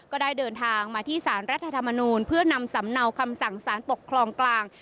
ก็ได้เดินทางมาที่สารรัฐธรรมนูลเพื่อนำสำเนาคำสั่งสารปกครองกลาง